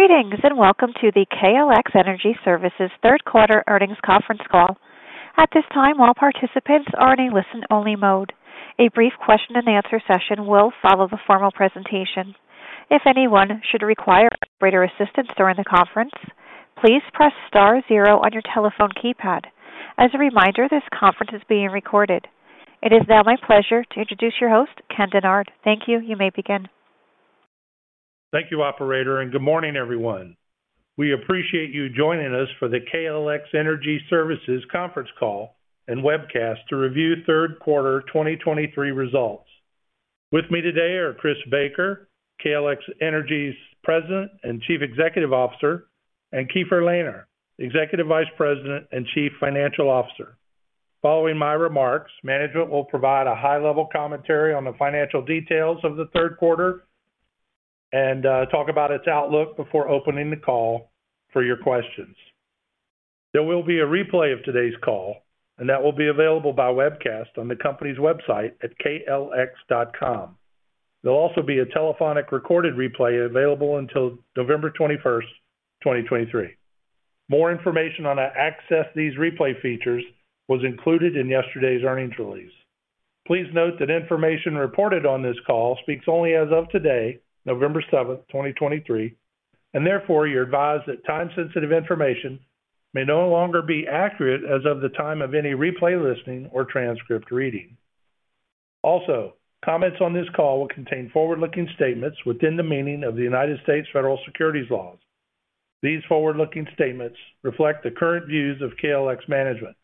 Greetings, and welcome to the KLX Energy Services Q3 earnings conference call. At this time, all participants are in a listen-only mode. A brief question-and-answer session will follow the formal presentation. If anyone should require operator assistance during the conference, please press star zero on your telephone keypad. As a reminder, this conference is being recorded. It is now my pleasure to introduce your host, Ken Dennard. Thank you. You may begin. Thank you, operator, and good morning, everyone. We appreciate you joining us for the KLX Energy Services conference call and webcast to review Q3 2023 results. With me today are Chris Baker, KLX Energy Services' President and Chief Executive Officer, and Keefer Lehner, Executive Vice President and Chief Financial Officer. Following my remarks, management will provide a high-level commentary on the financial details of the Q3 and talk about its outlook before opening the call for your questions. There will be a replay of today's call, and that will be available by webcast on the company's website at klx.com. There'll also be a telephonic recorded replay available until November 21, 2023. More information on how to access these replay features was included in yesterday's earnings release. Please note that information reported on this call speaks only as of today, November 7, 2023, and therefore, you're advised that time-sensitive information may no longer be accurate as of the time of any replay listening or transcript reading. Also, comments on this call will contain forward-looking statements within the meaning of the United States federal securities laws. These forward-looking statements reflect the current views of KLX management.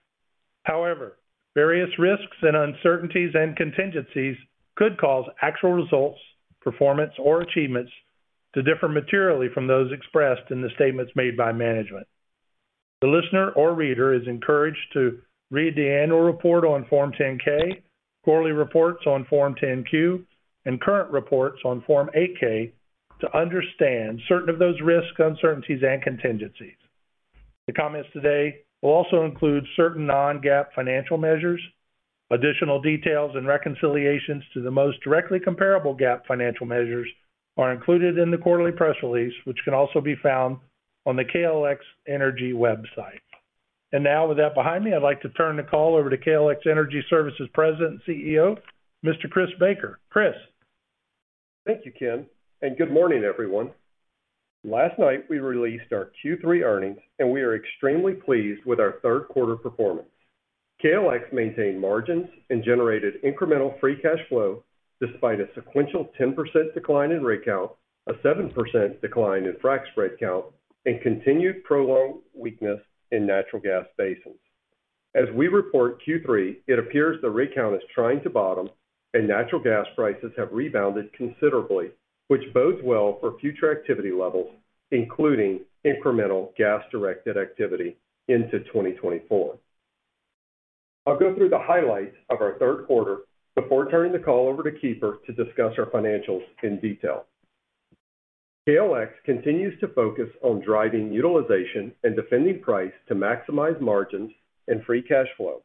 However, various risks and uncertainties and contingencies could cause actual results, performance, or achievements to differ materially from those expressed in the statements made by management. The listener or reader is encouraged to read the annual report on Form 10-K, quarterly reports on Form 10-Q, and current reports on Form 8-K to understand certain of those risks, uncertainties, and contingencies. The comments today will also include certain non-GAAP financial measures. Additional details and reconciliations to the most directly comparable GAAP financial measures are included in the quarterly press release, which can also be found on the KLX Energy website. And now, with that behind me, I'd like to turn the call over to KLX Energy Services President and CEO, Mr. Chris Baker. Chris? Thank you, Ken, and good morning, everyone. Last night, we released our Q3 earnings, and we are extremely pleased with our Q3 performance. KLX maintained margins and generated incremental free cash flow despite a sequential 10% decline in rig count, a 7% decline in frac spread count, and continued prolonged weakness in natural gas basins. As we report Q3, it appears the rig count is trying to bottom and natural gas prices have rebounded considerably, which bodes well for future activity levels, including incremental gas-directed activity into 2024. I'll go through the highlights of our Q3 before turning the call over to Keefer to discuss our financials in detail. KLX continues to focus on driving utilization and defending price to maximize margins and free cash flow.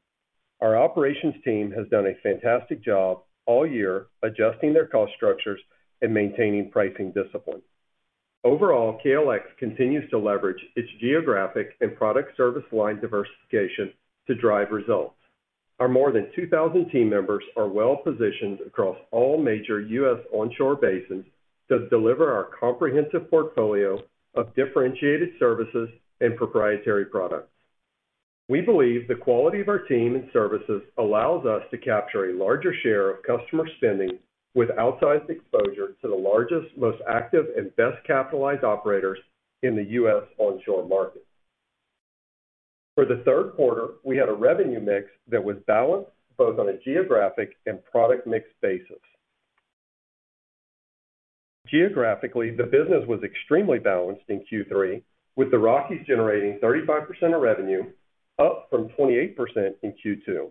Our operations team has done a fantastic job all year, adjusting their cost structures and maintaining pricing discipline. Overall, KLX continues to leverage its geographic and product service line diversification to drive results. Our more than 2,000 team members are well-positioned across all major U.S. onshore basins to deliver our comprehensive portfolio of differentiated services and proprietary products. We believe the quality of our team and services allows us to capture a larger share of customer spending with outsized exposure to the largest, most active, and best-capitalized operators in the U.S. onshore market. For the Q3, we had a revenue mix that was balanced both on a geographic and product mix basis. Geographically, the business was extremely balanced in Q3, with the Rockies generating 35% of revenue, up from 28% in Q2.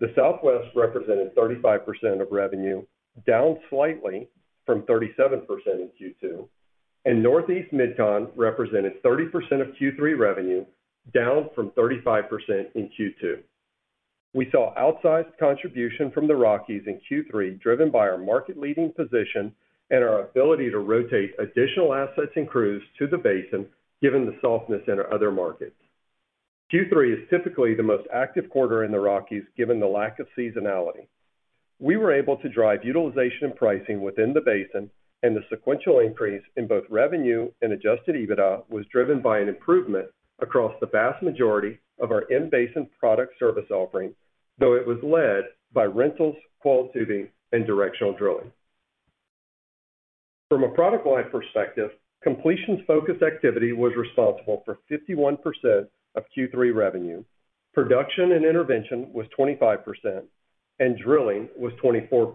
The Southwest represented 35% of revenue, down slightly from 37% in Q2, and Northeast Mid-Con represented 30% of Q3 revenue, down from 35% in Q2. We saw outsized contribution from the Rockies in Q3, driven by our market-leading position and our ability to rotate additional assets and crews to the basin, given the softness in our other markets. Q3 is typically the most active quarter in the Rockies, given the lack of seasonality. We were able to drive utilization and pricing within the basin, and the sequential increase in both revenue and Adjusted EBITDA was driven by an improvement across the vast majority of our in-basin product service offerings, though it was led by rentals, coil, and directional drilling. From a product line perspective, completions-focused activity was responsible for 51% of Q3 revenue. Production and intervention was 25%, and drilling was 24%.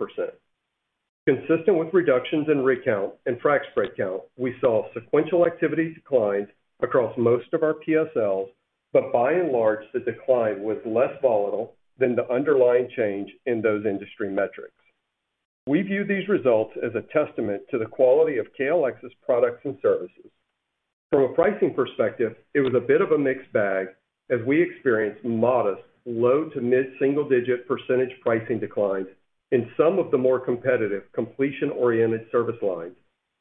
Consistent with reductions in rig count and frac spread count, we saw sequential activity declines across most of our PSLs, but by and large, the decline was less volatile than the underlying change in those industry metrics. We view these results as a testament to the quality of KLX's products and services. From a pricing perspective, it was a bit of a mixed bag, as we experienced modest low- to mid-single-digit percentage pricing declines in some of the more competitive completion-oriented service lines,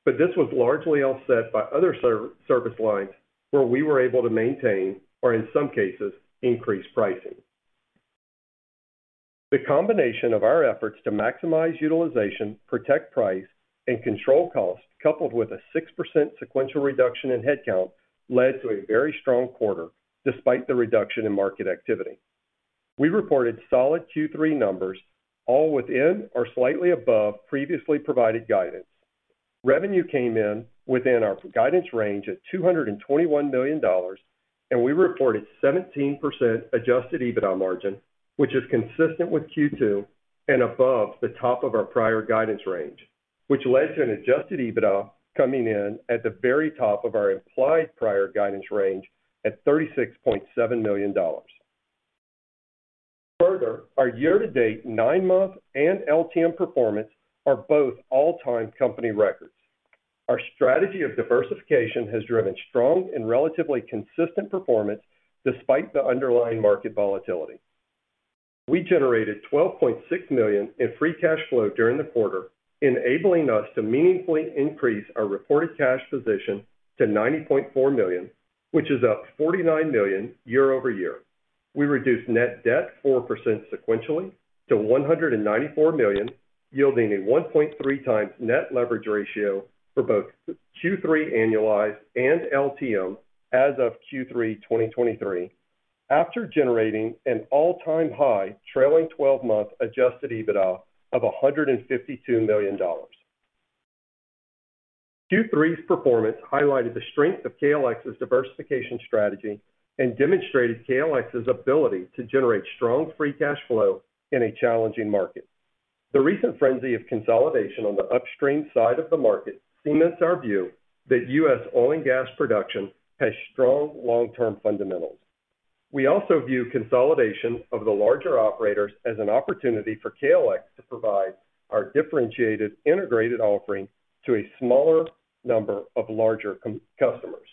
but this was largely offset by other service lines where we were able to maintain, or in some cases, increase pricing. The combination of our efforts to maximize utilization, protect price, and control costs, coupled with a 6% sequential reduction in headcount, led to a very strong quarter despite the reduction in market activity. We reported solid Q3 numbers, all within or slightly above previously provided guidance. Revenue came in within our guidance range at $221 million, and we reported 17% adjusted EBITDA margin, which is consistent with Q2 and above the top of our prior guidance range, which led to an adjusted EBITDA coming in at the very top of our implied prior guidance range at $36.7 million. Further, our year-to-date, nine-month and LTM performance are both all-time company records. Our strategy of diversification has driven strong and relatively consistent performance despite the underlying market volatility. We generated $12.6 million in free cash flow during the quarter, enabling us to meaningfully increase our reported cash position to $90.4 million, which is up $49 million year over year. We reduced net debt 4% sequentially to $194 million, yielding a 1.3 times net leverage ratio for both Q3 annualized and LTM as of Q3 2023, after generating an all-time high trailing twelve-month adjusted EBITDA of $152 million. Q3's performance highlighted the strength of KLX's diversification strategy and demonstrated KLX's ability to generate strong free cash flow in a challenging market. The recent frenzy of consolidation on the upstream side of the market cements our view that U.S. oil and gas production has strong long-term fundamentals. We also view consolidation of the larger operators as an opportunity for KLX to provide our differentiated integrated offering to a smaller number of larger customers.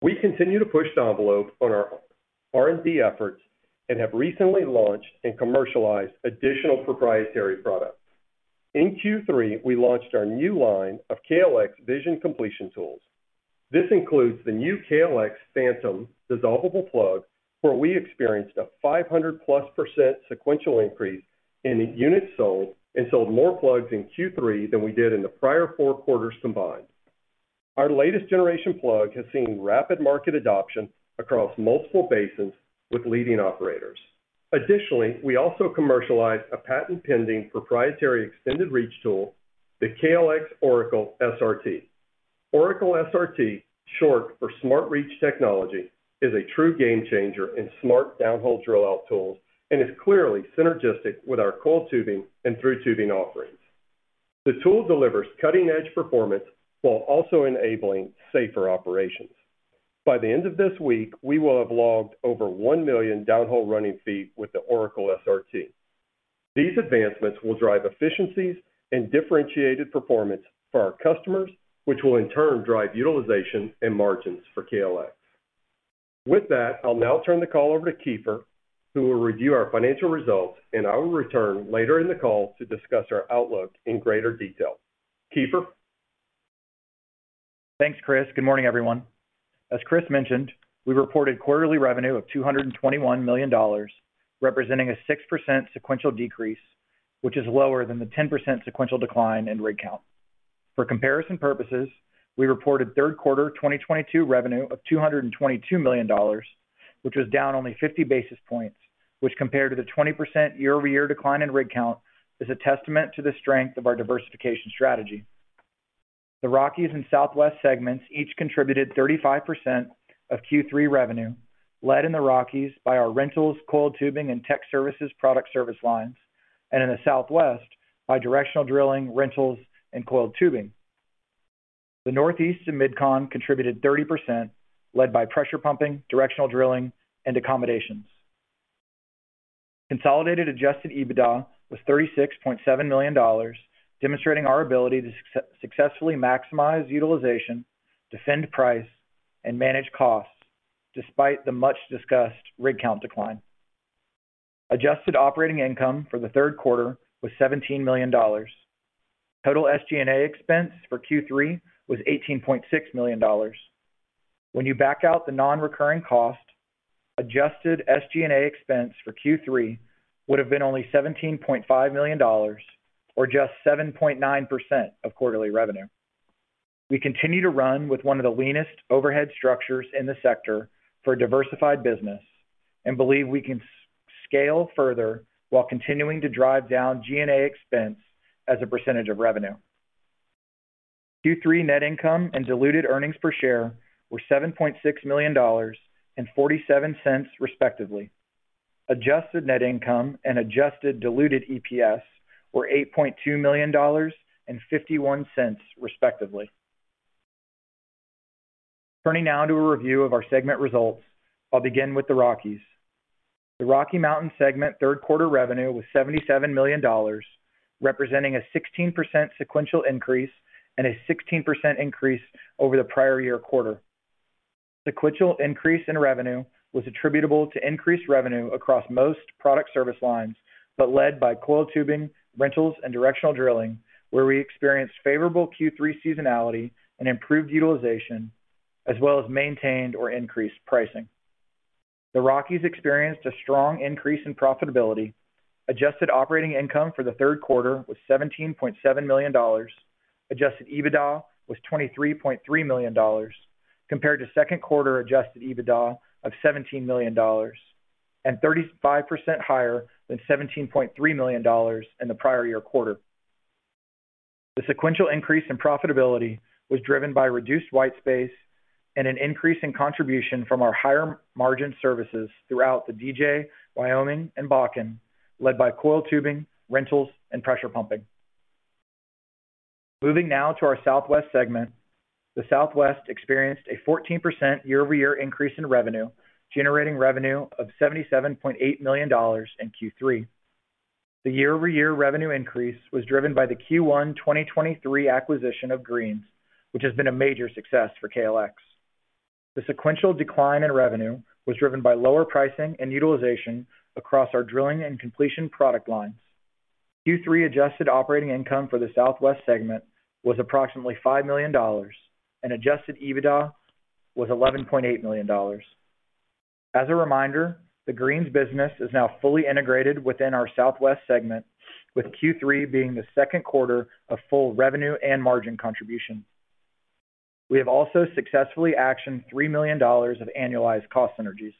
We continue to push the envelope on our R&D efforts and have recently launched and commercialized additional proprietary products. In Q3, we launched our new line of KLX Vision completion tools. This includes the new KLX PhantM dissolvable plug, where we experienced a 500%+ sequential increase in units sold, and sold more plugs in Q3 than we did in the prior four quarters combined. Our latest generation plug has seen rapid market adoption across multiple basins with leading operators. Additionally, we also commercialized a patent-pending proprietary extended reach tool, the KLX OraclE-SRT. OraclE-SRT, short for Smart Reach Technology, is a true game changer in smart downhole drill out tools and is clearly synergistic with our coiled tubing and through tubing offerings. The tool delivers cutting-edge performance while also enabling safer operations. By the end of this week, we will have logged over 1 million downhole running feet with the OraclE-SRT. These advancements will drive efficiencies and differentiated performance for our customers, which will in turn drive utilization and margins for KLX. With that, I'll now turn the call over to Keefer, who will review our financial results, and I will return later in the call to discuss our outlook in greater detail. Keefer. Thanks, Chris. Good morning, everyone. As Chris mentioned, we reported quarterly revenue of $221 million, representing a 6% sequential decrease, which is lower than the 10% sequential decline in rig count. For comparison purposes, we reported Q3 2022 revenue of $222 million, which was down only 50 basis points, which compared to the 20% year-over-year decline in rig count, is a testament to the strength of our diversification strategy. The Rockies and Southwest segments each contributed 35% of Q3 revenue, led in the Rockies by our rentals, coiled tubing, and tech services product service lines, and in the Southwest by directional drilling, rentals, and coiled tubing. The Northeast and Mid-Con contributed 30%, led by pressure pumping, directional drilling, and accommodations. Consolidated adjusted EBITDA was $36.7 million, demonstrating our ability to successfully maximize utilization, defend price, and manage costs, despite the much-discussed rig count decline. Adjusted operating income for the Q3 was $17 million. Total SG&A expense for Q3 was $18.6 million. When you back out the non-recurring cost, adjusted SG&A expense for Q3 would have been only $17.5 million, or just 7.9% of quarterly revenue. We continue to run with one of the leanest overhead structures in the sector for a diversified business and believe we can scale further while continuing to drive down G&A expense as a percentage of revenue. Q3 net income and diluted earnings per share were $7.6 million and $0.47, respectively. Adjusted net income and adjusted diluted EPS were $8.2 million and $0.51, respectively. Turning now to a review of our segment results. I'll begin with the Rockies. The Rocky Mountain segment Q3 revenue was $77 million, representing a 16% sequential increase and a 16% increase over the prior year quarter. The sequential increase in revenue was attributable to increased revenue across most product service lines, but led by coiled tubing, rentals, and directional drilling, where we experienced favorable Q3 seasonality and improved utilization, as well as maintained or increased pricing. The Rockies experienced a strong increase in profitability. Adjusted operating income for the Q3 was $17.7 million. Adjusted EBITDA was $23.3 million, compared to second quarter adjusted EBITDA of $17 million, and 35% higher than $17.3 million in the prior year quarter. The sequential increase in profitability was driven by reduced white space and an increase in contribution from our higher margin services throughout the DJ, Wyoming, and Bakken, led by coiled tubing, rentals, and pressure pumping. Moving now to our Southwest segment. The Southwest experienced a 14% year-over-year increase in revenue, generating revenue of $77.8 million in Q3. The year-over-year revenue increase was driven by the Q1 2023 acquisition of Greene's, which has been a major success for KLX. The sequential decline in revenue was driven by lower pricing and utilization across our drilling and completion product lines. Q3 adjusted operating income for the Southwest segment was approximately $5 million, and adjusted EBITDA was $11.8 million. As a reminder, the Greene's business is now fully integrated within our Southwest segment, with Q3 being the second quarter of full revenue and margin contribution. We have also successfully actioned $3 million of annualized cost synergies.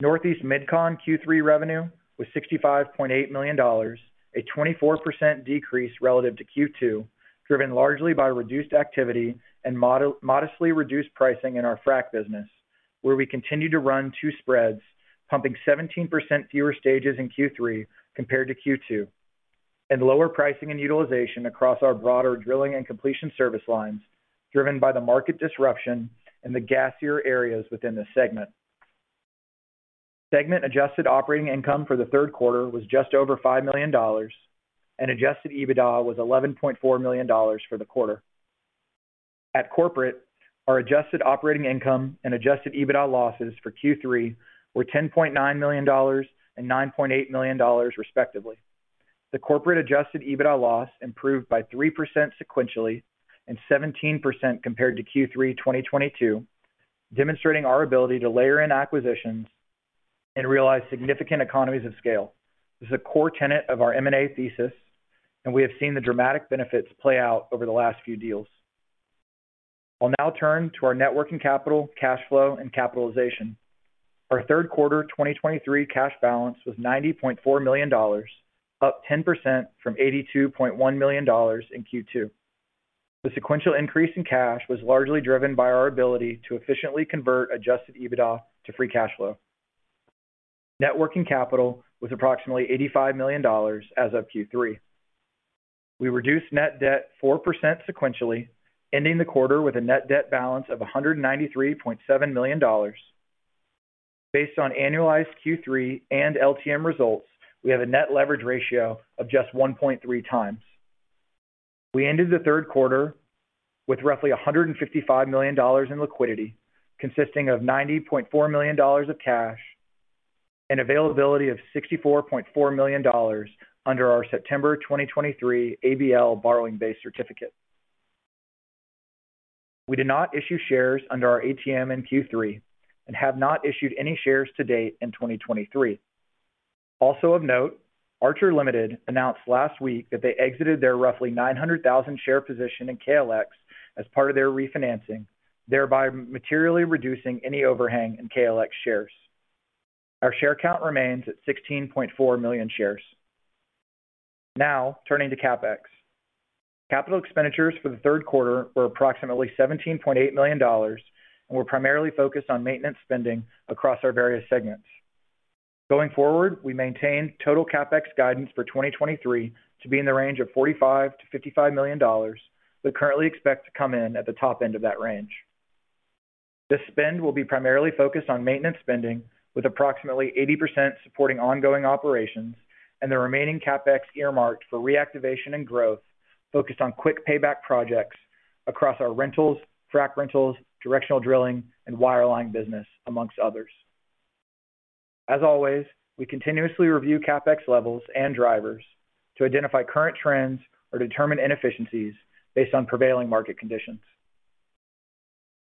Northeast Mid-Con Q3 revenue was $65.8 million, a 24% decrease relative to Q2, driven largely by reduced activity and modestly reduced pricing in our frac business, where we continued to run 2 spreads, pumping 17% fewer stages in Q3 compared to Q2, and lower pricing and utilization across our broader drilling and completion service lines, driven by the market disruption in the gassier areas within this segment. Segment adjusted operating income for the Q3 was just over $5 million, and adjusted EBITDA was $11.4 million for the quarter. At corporate, our adjusted operating income and adjusted EBITDA losses for Q3 were $10.9 million and $9.8 million, respectively. The corporate adjusted EBITDA loss improved by 3% sequentially and 17% compared to Q3 2022, demonstrating our ability to layer in acquisitions and realize significant economies of scale. This is a core tenet of our M&A thesis, and we have seen the dramatic benefits play out over the last few deals. I'll now turn to our net working capital, cash flow, and capitalization. Our Q3 2023 cash balance was $90.4 million, up 10% from $82.1 million in Q2. The sequential increase in cash was largely driven by our ability to efficiently convert adjusted EBITDA to free cash flow. Net working capital was approximately $85 million as of Q3. We reduced net debt 4% sequentially, ending the quarter with a net debt balance of $193.7 million. Based on annualized Q3 and LTM results, we have a net leverage ratio of just 1.3 times. We ended the Q3 with roughly $155 million in liquidity, consisting of $90.4 million of cash and availability of $64.4 million under our September 2023 ABL borrowing base certificate. We did not issue shares under our ATM in Q3 and have not issued any shares to date in 2023. Also of note, Archer Limited announced last week that they exited their roughly 900,000-share position in KLX as part of their refinancing, thereby materially reducing any overhang in KLX shares. Our share count remains at 16.4 million shares. Now, turning to CapEx. Capital expenditures for the Q3 were approximately $17.8 million and were primarily focused on maintenance spending across our various segments. Going forward, we maintain total CapEx guidance for 2023 to be in the range of $45 million-$55 million, but currently expect to come in at the top end of that range. This spend will be primarily focused on maintenance spending, with approximately 80% supporting ongoing operations and the remaining CapEx earmarked for reactivation and growth focused on quick payback projects across our rentals, frac rentals, directional drilling, and wireline business, among others. As always, we continuously review CapEx levels and drivers to identify current trends or determine inefficiencies based on prevailing market conditions.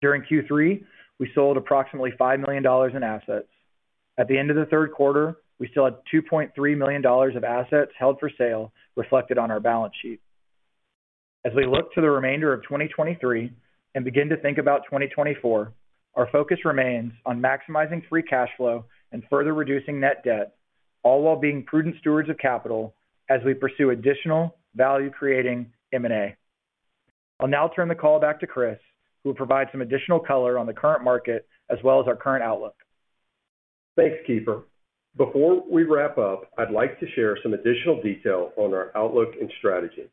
During Q3, we sold approximately $5 million in assets. At the end of the Q3, we still had $2.3 million of assets held for sale reflected on our balance sheet. As we look to the remainder of 2023 and begin to think about 2024, our focus remains on maximizing free cash flow and further reducing net debt, all while being prudent stewards of capital as we pursue additional value-creating M&A. I'll now turn the call back to Chris, who will provide some additional color on the current market as well as our current outlook. Thanks, Keefer. Before we wrap up, I'd like to share some additional detail on our outlook and strategy.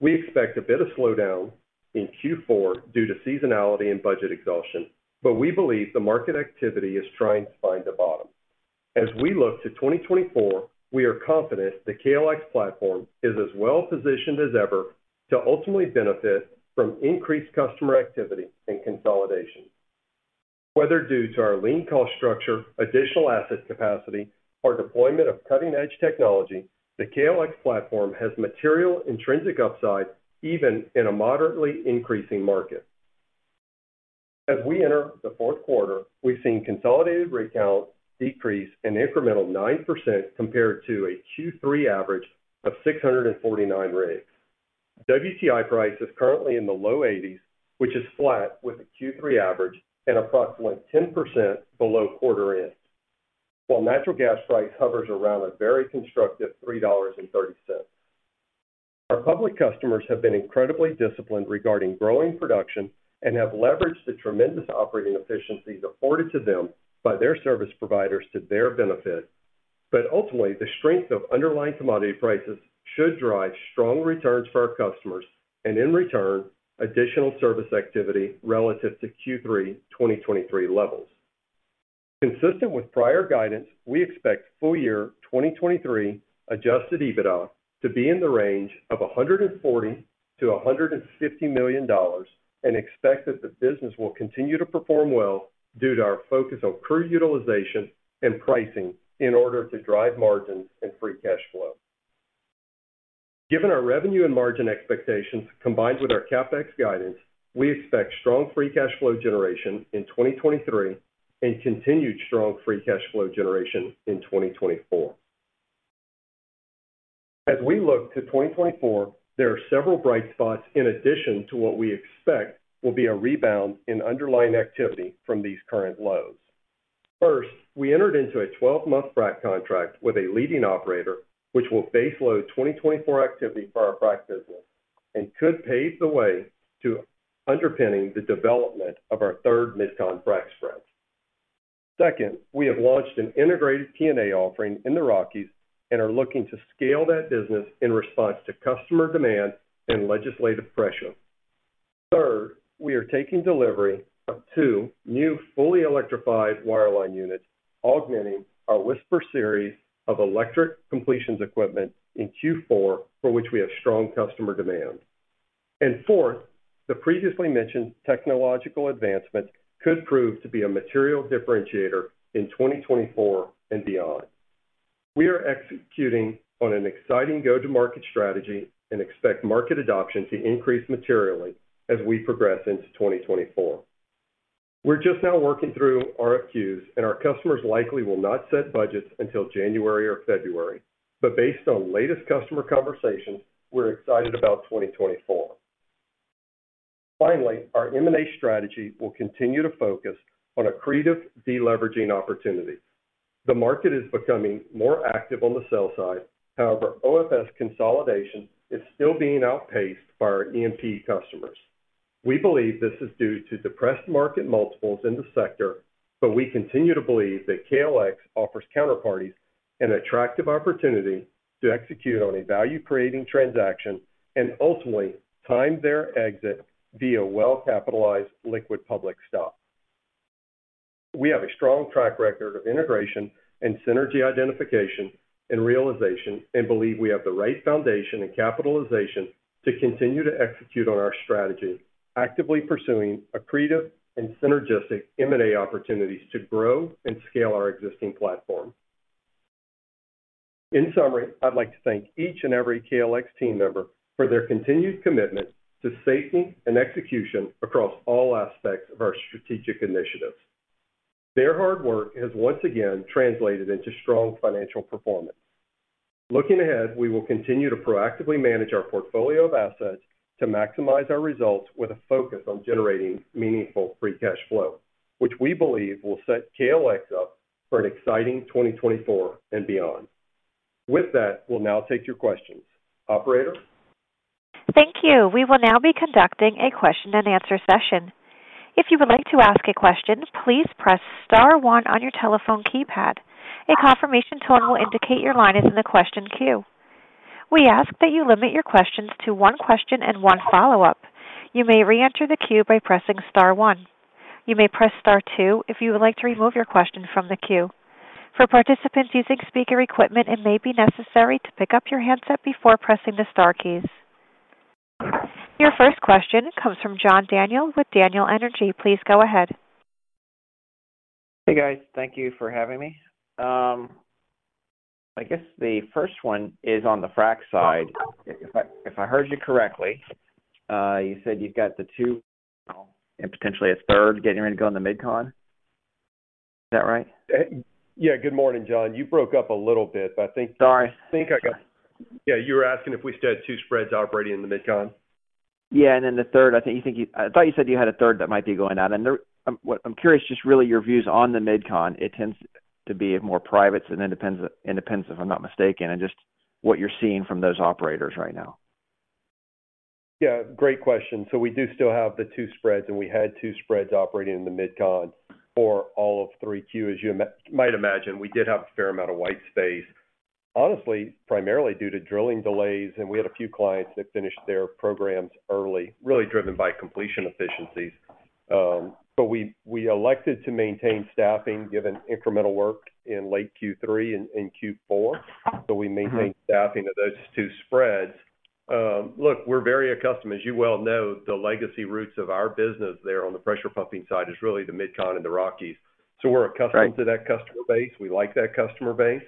We expect a bit of slowdown in Q4 due to seasonality and budget exhaustion, but we believe the market activity is trying to find a bottom. As we look to 2024, we are confident the KLX platform is as well positioned as ever to ultimately benefit from increased customer activity and consolidation. Whether due to our lean cost structure, additional asset capacity, or deployment of cutting-edge technology, the KLX platform has material intrinsic upside, even in a moderately increasing market. As we enter the Q4, we've seen consolidated rig counts decrease an incremental 9% compared to a Q3 average of 649 rigs. WTI price is currently in the low 80s, which is flat with a Q3 average and approximately 10% below quarter end, while natural gas price hovers around a very constructive $3.30. Our public customers have been incredibly disciplined regarding growing production and have leveraged the tremendous operating efficiencies afforded to them by their service providers to their benefit. But ultimately, the strength of underlying commodity prices should drive strong returns for our customers, and in return, additional service activity relative to Q3 2023 levels. Consistent with prior guidance, we expect full year 2023 Adjusted EBITDA to be in the range of $140 million-$150 million, and expect that the business will continue to perform well due to our focus on crew utilization and pricing in order to drive margins and free cash flow. Given our revenue and margin expectations, combined with our CapEx guidance, we expect strong free cash flow generation in 2023 and continued strong free cash flow generation in 2024. As we look to 2024, there are several bright spots in addition to what we expect will be a rebound in underlying activity from these current lows. First, we entered into a 12-month frac contract with a leading operator, which will baseload 2024 activity for our frac business and could pave the way to underpinning the development of our third Mid-Con frac spreads. Second, we have launched an integrated P&A offering in the Rockies and are looking to scale that business in response to customer demand and legislative pressure. Third, we are taking delivery of two new fully electrified wireline units, augmenting our Whisper Series of electric completions equipment in Q4, for which we have strong customer demand. And fourth, the previously mentioned technological advancements could prove to be a material differentiator in 2024 and beyond. We are executing on an exciting go-to-market strategy and expect market adoption to increase materially as we progress into 2024. We're just now working through RFQs, and our customers likely will not set budgets until January or February. But based on latest customer conversations, we're excited about 2024. Finally, our M&A strategy will continue to focus on accretive deleveraging opportunities. The market is becoming more active on the sell side. However, OFS consolidation is still being outpaced by our E&P customers. We believe this is due to depressed market multiples in the sector, but we continue to believe that KLX offers counterparties an attractive opportunity to execute on a value-creating transaction and ultimately time their exit via well-capitalized, liquid public stock. We have a strong track record of integration and synergy identification and realization, and believe we have the right foundation and capitalization to continue to execute on our strategy, actively pursuing accretive and synergistic M&A opportunities to grow and scale our existing platform. In summary, I'd like to thank each and every KLX team member for their continued commitment to safety and execution across all aspects of our strategic initiatives. Their hard work has once again translated into strong financial performance. Looking ahead, we will continue to proactively manage our portfolio of assets to maximize our results with a focus on generating meaningful free cash flow, which we believe will set KLX up for an exciting 2024 and beyond. With that, we'll now take your questions. Operator? Thank you. We will now be conducting a question-and-answer session. If you would like to ask a question, please press star one on your telephone keypad. A confirmation tone will indicate your line is in the question queue. We ask that you limit your questions to one question and one follow-up. You may reenter the queue by pressing star one. You may press star two if you would like to remove your question from the queue. For participants using speaker equipment, it may be necessary to pick up your handset before pressing the star keys. Your first question comes from John Daniel with Daniel Energy Partners. Please go ahead. Hey, guys. Thank you for having me. I guess the first one is on the frac side. If I heard you correctly, you said you've got the two and potentially a third getting ready to go in the Mid-Con. Is that right? Yeah, good morning, John. You broke up a little bit, but I think- Sorry. I think I got... Yeah, you were asking if we still had two spreads operating in the Mid-Con? Yeah, and then the third, I thought you said you had a third that might be going out. And there, I'm, well, I'm curious, just really your views on the Mid-Con. It tends to be more privates than independents, if I'm not mistaken, and just what you're seeing from those operators right now. Yeah, great question. So we do still have the two spreads, and we had two spreads operating in the Mid-Con for all of Q3. As you might imagine, we did have a fair amount of white space... honestly, primarily due to drilling delays, and we had a few clients that finished their programs early, really driven by completion efficiencies. But we elected to maintain staffing given incremental work in late Q3 and Q4. So we maintain staffing of those two spreads. Look, we're very accustomed, as you well know, the legacy roots of our business there on the pressure pumping side is really the Mid-Con and the Rockies. So we're accustomed- Right. to that customer base. We like that customer base.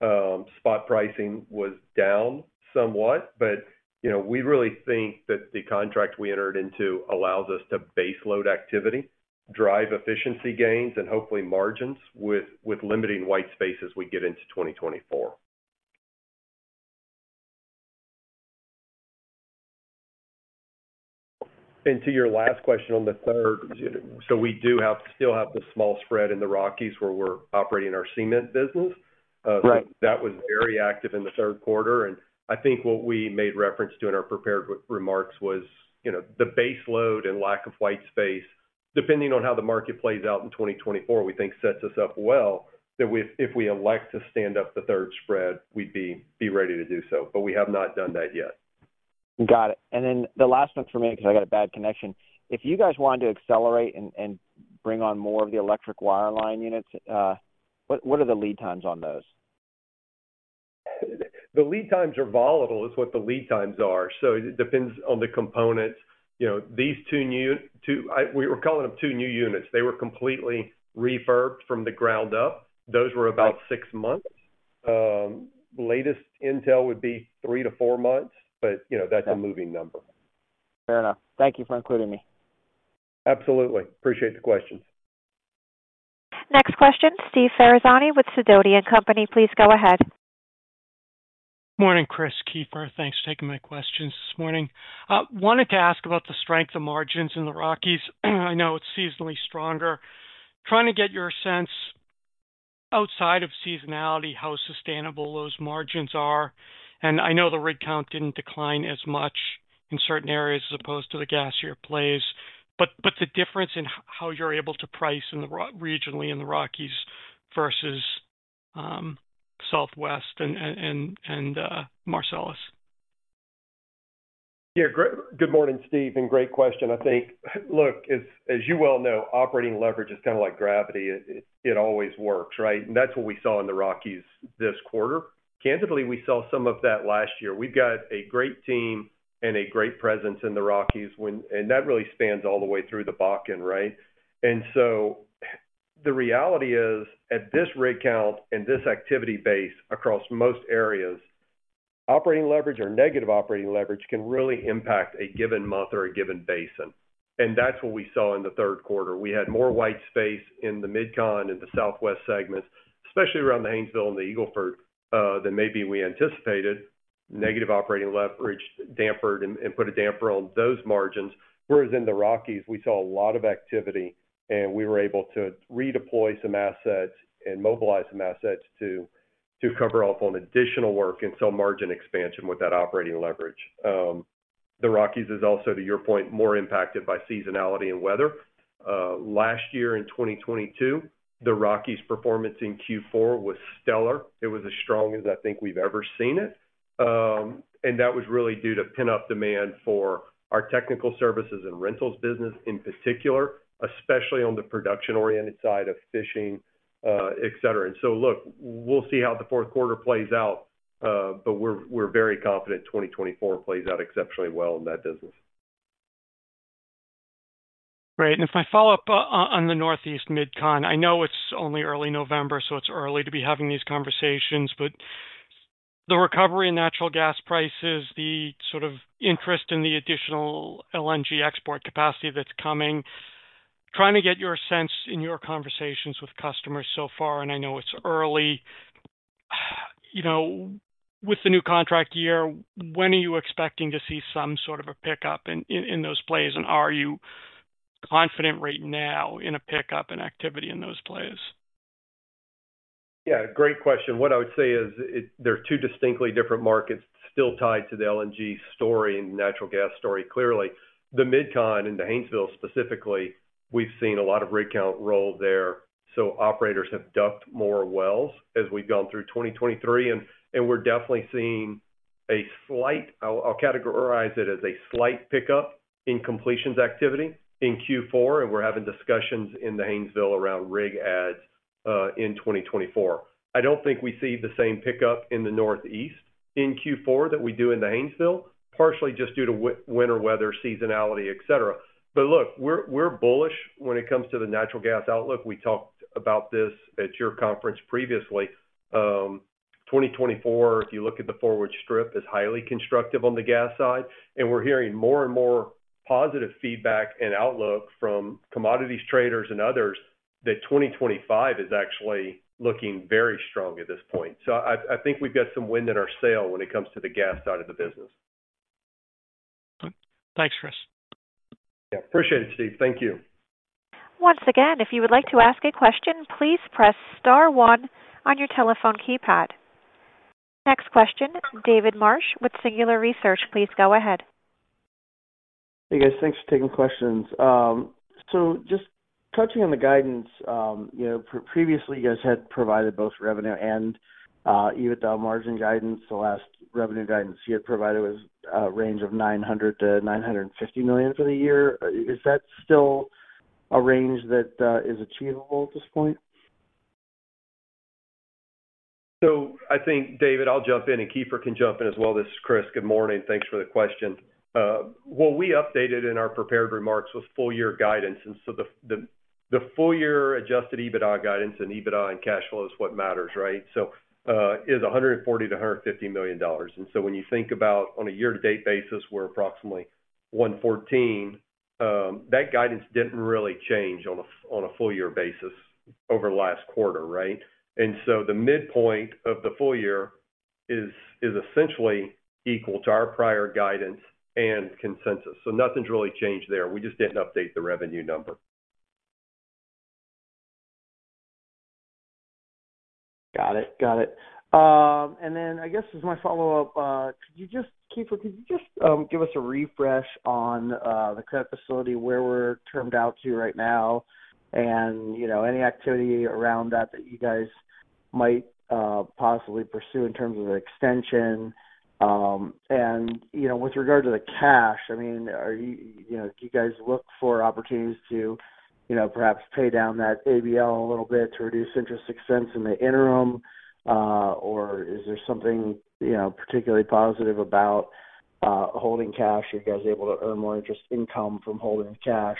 Spot pricing was down somewhat, but, you know, we really think that the contract we entered into allows us to baseload activity, drive efficiency gains, and hopefully margins with, with limiting white space as we get into 2024. And to your last question on the third, so we do still have the small spread in the Rockies, where we're operating our cement business. Right. That was very active in the Q3, and I think what we made reference to in our prepared remarks was, you know, the baseload and lack of white space, depending on how the market plays out in 2024, we think sets us up well, that we if we elect to stand up the third spread, we'd be ready to do so. But we have not done that yet. Got it. Then the last one for me, because I got a bad connection. If you guys wanted to accelerate and bring on more of the electric wireline units, what are the lead times on those? The lead times are volatile, is what the lead times are. So it depends on the components. You know, these 2 new, we're calling them 2 new units. They were completely refurbed from the ground up. Those were about 6 months. Latest intel would be 3-4 months, but, you know, that's a moving number. Fair enough. Thank you for including me. Absolutely. Appreciate the questions. Next question, Steve Ferazani with Sidoti & Company, please go ahead. Morning, Chris and Keefer. Thanks for taking my questions this morning. Wanted to ask about the strength of margins in the Rockies. I know it's seasonally stronger. Trying to get your sense, outside of seasonality, how sustainable those margins are. And I know the rig count didn't decline as much in certain areas as opposed to the gasier plays, but the difference in how you're able to price regionally in the Rockies versus Southwest and Marcellus. Yeah, great. Good morning, Steve, and great question. I think, look, as you well know, operating leverage is kind of like gravity. It always works, right? And that's what we saw in the Rockies this quarter. Candidly, we saw some of that last year. We've got a great team and a great presence in the Rockies when, and that really spans all the way through the Bakken, right? And so the reality is, at this rig count and this activity base across most areas, operating leverage or negative operating leverage can really impact a given month or a given basin. And that's what we saw in the Q3. We had more white space in the Mid-Con and the Southwest segments, especially around the Haynesville and the Eagle Ford than maybe we anticipated. Negative operating leverage dampened and put a damper on those margins. Whereas in the Rockies, we saw a lot of activity, and we were able to redeploy some assets and mobilize some assets to cover off on additional work and some margin expansion with that operating leverage. The Rockies is also, to your point, more impacted by seasonality and weather. Last year, in 2022, the Rockies performance in Q4 was stellar. It was as strong as I think we've ever seen it. And that was really due to pinned-up demand for our technical services and rentals business in particular, especially on the production-oriented side of fishing, et cetera. And so look, we'll see how the fourth quarter plays out, but we're very confident 2024 plays out exceptionally well in that business. Great. If I follow up on the Northeast Mid-Con, I know it's only early November, so it's early to be having these conversations, but the recovery in natural gas prices, the sort of interest in the additional LNG export capacity that's coming, trying to get your sense in your conversations with customers so far, and I know it's early. You know, with the new contract year, when are you expecting to see some sort of a pickup in those plays, and are you confident right now in a pickup in activity in those plays? Yeah, great question. What I would say is, it, there are two distinctly different markets still tied to the LNG story and natural gas story. Clearly, the Mid-Con and the Haynesville specifically, we've seen a lot of rig count roll there, so operators have DUC'd more wells as we've gone through 2023, and we're definitely seeing a slight. I'll categorize it as a slight pickup in completions activity in Q4, and we're having discussions in the Haynesville around rig adds in 2024. I don't think we see the same pickup in the Northeast in Q4 that we do in the Haynesville, partially just due to winter weather, seasonality, et cetera. But look, we're bullish when it comes to the natural gas outlook. We talked about this at your conference previously. 2024, if you look at the forward strip, is highly constructive on the gas side, and we're hearing more and more positive feedback and outlook from commodities traders and others, that 2025 is actually looking very strong at this point. So I think we've got some wind in our sail when it comes to the gas side of the business. Thanks, Chris. Yeah. Appreciate it, Steve. Thank you. Once again, if you would like to ask a question, please press star one on your telephone keypad. Next question, David Marsh with Singular Research. Please go ahead. Hey, guys. Thanks for taking questions. So just touching on the guidance, you know, previously, you guys had provided both revenue and EBITDA margin guidance. The last revenue guidance you had provided was a range of $900 million-$950 million for the year. Is that still a range that is achievable at this point? So I think, David, I'll jump in, and Keefer can jump in as well. This is Chris. Good morning. Thanks for the question. What we updated in our prepared remarks was full year guidance, and so the, the, the full year adjusted EBITDA guidance and EBITDA and cash flow is what matters, right? So, is $140 million-$150 million. And so when you think about on a year-to-date basis, we're approximately $114 million, that guidance didn't really change on a, on a full year basis over the last quarter, right? And so the midpoint of the full year is, is essentially equal to our prior guidance and consensus. So nothing's really changed there. We just didn't update the revenue number. Got it. Got it. And then I guess as my follow-up, could you just, Keefer, could you just, give us a refresh on, the credit facility, where we're termed out to right now, and, you know, any activity around that, that you guys might, possibly pursue in terms of an extension? And, you know, with regard to the cash, I mean, are you, you know, do you guys look for opportunities to, you know, perhaps pay down that ABL a little bit to reduce interest expense in the interim? Or is there something, you know, particularly positive about, holding cash? Are you guys able to earn more interest income from holding cash,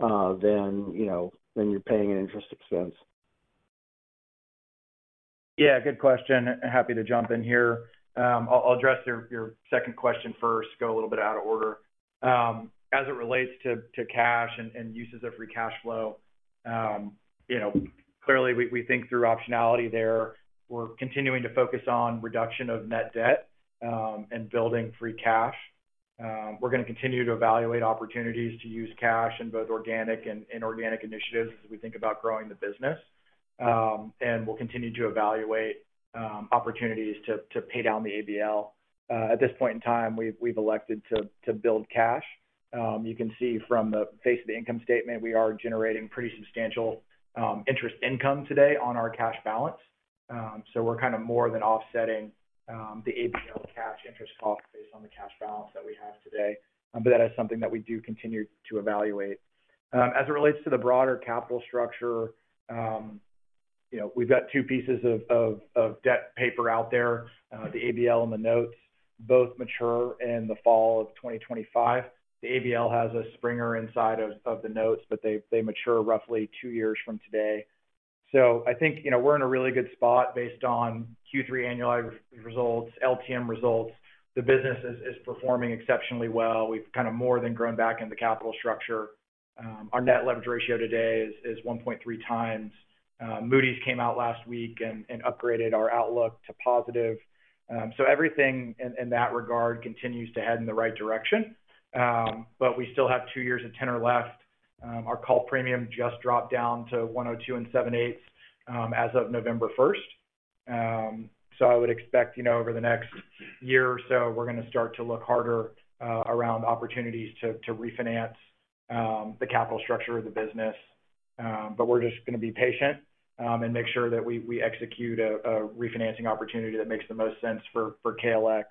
than, you know, than you're paying in interest expense? Yeah, good question, and happy to jump in here. I'll, I'll address your, your second question first, go a little bit out of order. As it relates to, to cash and, and uses of free cash flow, you know, clearly, we, we think through optionality there. We're continuing to focus on reduction of net debt, and building free cash. We're gonna continue to evaluate opportunities to use cash in both organic and inorganic initiatives as we think about growing the business. And we'll continue to evaluate, opportunities to, to pay down the ABL. At this point in time, we've, we've elected to, to build cash. You can see from the face of the income statement, we are generating pretty substantial, interest income today on our cash balance. So we're kind of more than offsetting the ABL cash interest cost based on the cash balance that we have today, but that is something that we do continue to evaluate. As it relates to the broader capital structure, you know, we've got two pieces of debt paper out there. The ABL and the notes both mature in the fall of 2025. The ABL has a springing inside of the notes, but they mature roughly two years from today. So I think, you know, we're in a really good spot based on Q3 annualized results, LTM results. The business is performing exceptionally well. We've kind of more than grown back in the capital structure. Our net leverage ratio today is 1.3 times. Moody's came out last week and upgraded our outlook to positive. So everything in that regard continues to head in the right direction. But we still have two years of tenor left. Our call premium just dropped down to 102 7/8, as of November 1st. So I would expect, you know, over the next year or so, we're gonna start to look harder around opportunities to refinance the capital structure of the business. But we're just gonna be patient and make sure that we execute a refinancing opportunity that makes the most sense for KLX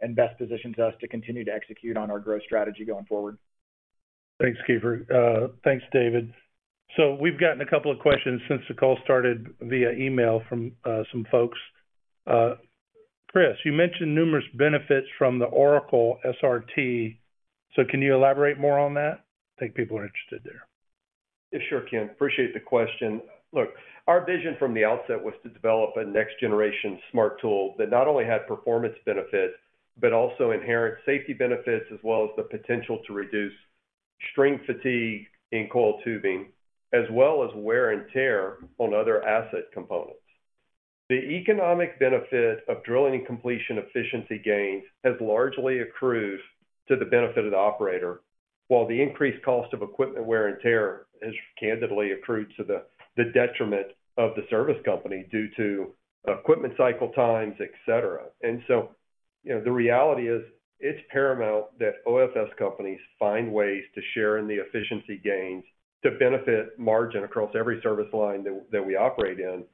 and best positions us to continue to execute on our growth strategy going forward. Thanks, Keefer. Thanks, David. So we've gotten a couple of questions since the call started via email from some folks. Chris, you mentioned numerous benefits from the OraclE-SRT, so can you elaborate more on that? I think people are interested there. Yeah, sure, Ken. Appreciate the question. Look, our vision from the outset was to develop a next-generation smart tool that not only had performance benefits, but also inherent safety benefits, as well as the potential to reduce string fatigue in coiled tubing, as well as wear and tear on other asset components. The economic benefit of drilling and completion efficiency gains has largely accrued to the benefit of the operator, while the increased cost of equipment wear and tear has candidly accrued to the detriment of the service company due to equipment cycle times, et cetera. And so, you know, the reality is, it's paramount that OFS companies find ways to share in the efficiency gains to benefit margin across every service line that we operate in.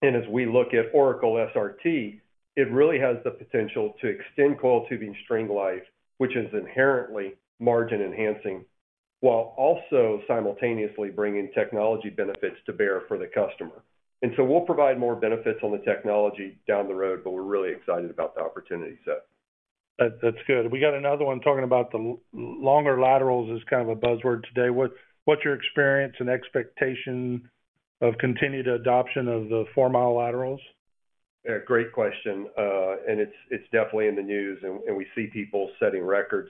As we look at OraclE-SRT, it really has the potential to extend coiled tubing string life, which is inherently margin-enhancing, while also simultaneously bringing technology benefits to bear for the customer. So we'll provide more benefits on the technology down the road, but we're really excited about the opportunity set. That, that's good. We got another one talking about the longer laterals is kind of a buzzword today. What's your experience and expectation of continued adoption of the four-mile laterals? Yeah, great question. And it's, it's definitely in the news, and, and we see people setting records.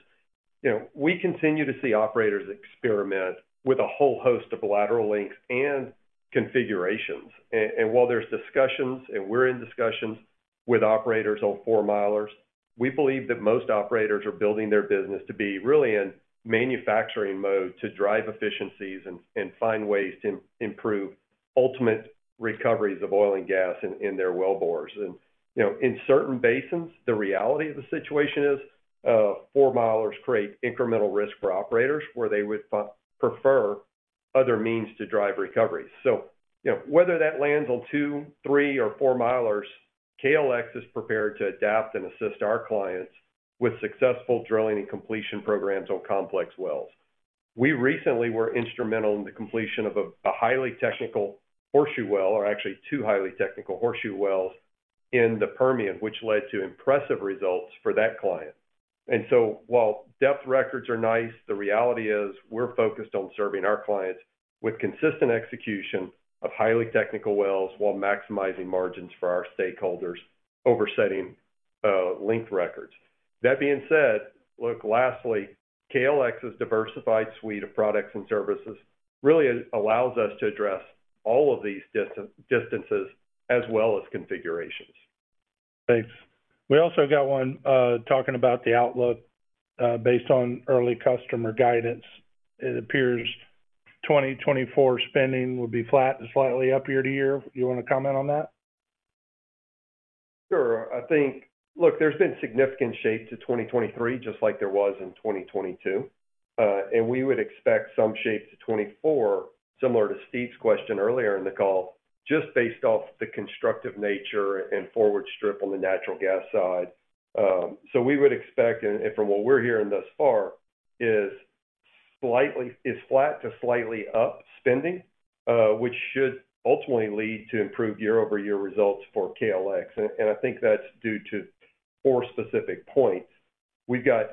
You know, we continue to see operators experiment with a whole host of lateral lengths and configurations. And, and while there's discussions, and we're in discussions with operators on 4-milers, we believe that most operators are building their business to be really in manufacturing mode, to drive efficiencies and, and find ways to improve ultimate recoveries of oil and gas in, in their wellbores. And, you know, in certain basins, the reality of the situation is, four-milers create incremental risk for operators, where they would prefer other means to drive recovery. So, you know, whether that lands on 2, 3, or 4-milers, KLX is prepared to adapt and assist our clients with successful drilling and completion programs on complex wells. We recently were instrumental in the completion of a highly technical horseshoe well, or actually two highly technical horseshoe wells, in the Permian, which led to impressive results for that client. So while depth records are nice, the reality is, we're focused on serving our clients with consistent execution of highly technical wells, while maximizing margins for our stakeholders over setting length records. That being said, look, lastly, KLX's diversified suite of products and services really allows us to address all of these distances as well as configurations. Thanks. We also got one talking about the outlook based on early customer guidance. It appears 2024 spending will be flat to slightly up year-over-year. You wanna comment on that? Sure. I thin,. Look, there's been significant shape to 2023, just like there was in 2022. And we would expect some shape to 2024, similar to Steve's question earlier in the call, just based off the constructive nature and forward strip on the natural gas side. So we would expect, and, and from what we're hearing thus far, is slightly, is flat to slightly up spending, which should ultimately lead to improved year-over-year results for KLX. And, and I think that's due to four specific points. We've got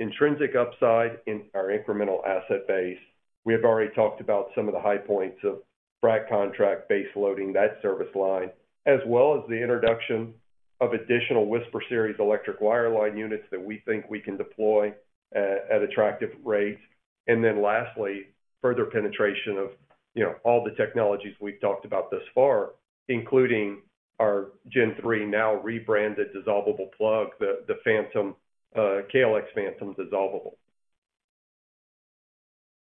intrinsic upside in our incremental asset base. We have already talked about some of the high points of frac contract baseloading, that service line, as well as the introduction of additional Whisper Series electric wireline units that we think we can deploy, at attractive rates. And then lastly, further penetration of, you know, all the technologies we've talked about thus far, including our Gen 3, now rebranded dissolvable plug, the PhantM, KLX PhantM dissolvable.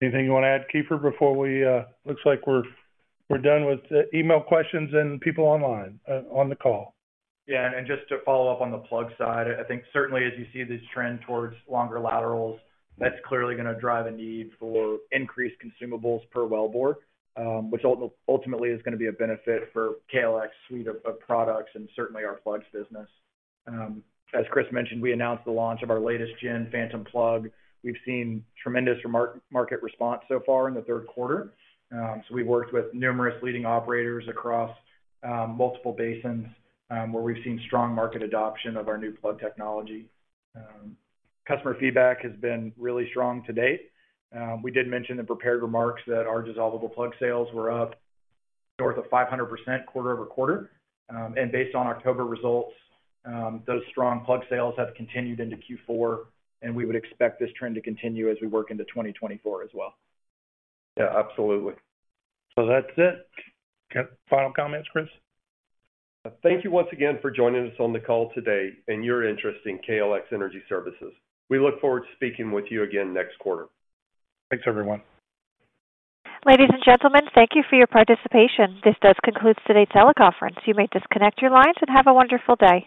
Anything you wanna add, Keefer, before we... Looks like we're done with the email questions and people online, on the call. Yeah, and just to follow up on the plug side, I think certainly as you see this trend towards longer laterals, that's clearly gonna drive a need for increased consumables per wellbore, which ultimately is gonna be a benefit for KLX's suite of products and certainly our plugs business. As Chris mentioned, we announced the launch of our latest Gen PhantM plug. We've seen tremendous market response so far in the Q3. So we've worked with numerous leading operators across multiple basins, where we've seen strong market adoption of our new plug technology. Customer feedback has been really strong to date. We did mention in prepared remarks that our dissolvable plug sales were up north of 500% quarter-over-quarter. Based on October results, those strong plug sales have continued into Q4, and we would expect this trend to continue as we work into 2024 as well. Yeah, absolutely. That's it. Got final comments, Chris? Thank you once again for joining us on the call today and your interest in KLX Energy Services. We look forward to speaking with you again next quarter. Thanks, everyone. Ladies and gentlemen, thank you for your participation. This does conclude today's teleconference. You may disconnect your lines, and have a wonderful day.